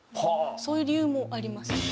そういう理由もあります。